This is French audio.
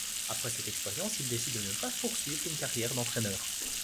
Après cette expérience, il décide de ne pas poursuivre une carrière d'entraîneur.